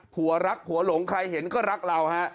ผัวรักผัวหลงใครเห็นก็รักเราฮะ